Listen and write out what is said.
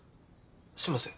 すいません。